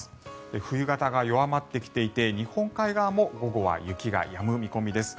冬型が弱まってきていて日本海側も午後は雪がやむ見込みです。